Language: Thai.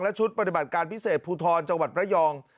ชุดปฏิบัติการพิเศษภูทรจังหวัดระยอง